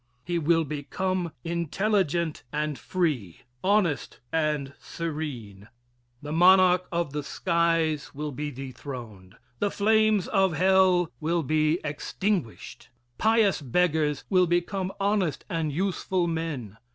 He will become intelligent and free, honest and serene. The monarch of the skies will be dethroned the flames of hell will be extinguished. Pious beggars will become honest and useful men.